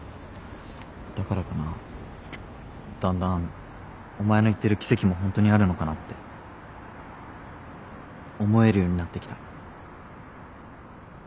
だからかなだんだんお前の言ってる奇跡も本当にあるのかなって思えるようになってきた。